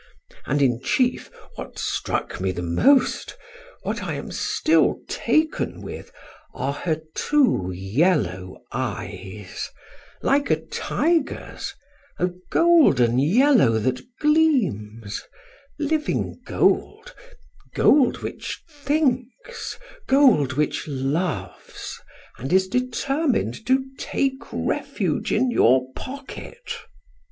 And in chief, what struck me the most, what I am still taken with, are her two yellow eyes, like a tiger's, a golden yellow that gleams, living gold, gold which thinks, gold which loves, and is determined to take refuge in your pocket."